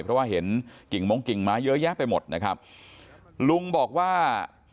เพราะว่าเห็นกิ่งมงกิ่งม้าเยอะแยะไปหมดนะครับลุงบอกว่า